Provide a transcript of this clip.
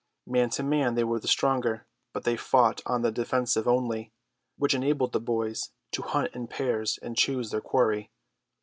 Man to man they were the stronger; but they fought on the defensive only, which enabled the boys to hunt in pairs and choose their quarry.